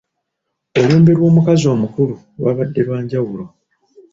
Olumbe lw'omukazi omukulu lwabadde lwa njawulo.